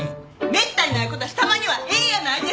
めったにないことだしたまにはええやないですか！